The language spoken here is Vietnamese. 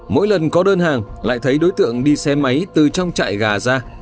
mỗi lần có đơn hàng lại thấy đối tượng đi xe máy từ trong trại gà ra